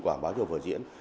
quảng bá cho vở diễn